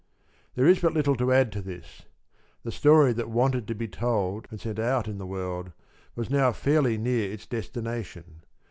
There is but little to add to this: The story that wanted to be told and sent out in the world was now fairly near its destination.